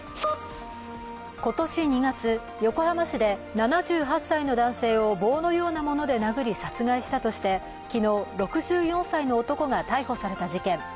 今年２月、横浜市で７８歳の男性を棒のようなもので殴り昨日、６４歳の男が逮捕された事件。